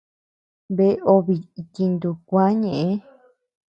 Bea obe itintu kuä ñeʼë.